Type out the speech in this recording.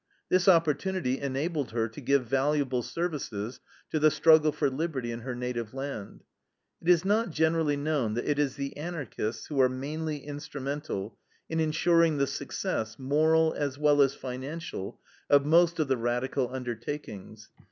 This opportunity enabled her to give valuable services to the struggle for liberty in her native land. It is not generally known that it is the Anarchists who are mainly instrumental in insuring the success, moral as well as financial, of most of the radical undertakings.